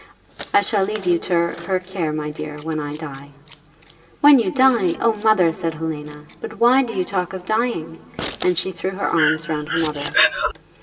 I shall leave you to her care, my dear, when I die." "When you die! Oh, mother!" said Helena, "but why do you talk of dying?" and she threw her arms round her mother.